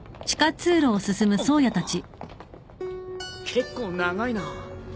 結構長いな。